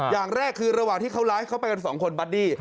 อย่างแรกคือระหว่างที่เขาไลฟ์เขาไปกันสองคนบัดดี้